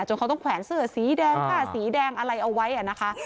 เขาต้องแขวนเสื้อสีแดงผ้าสีแดงอะไรเอาไว้นะคะ